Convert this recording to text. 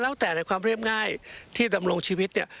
แล้วแต่ในความเรียบง่ายที่ดำรงชีวิตเนี่ย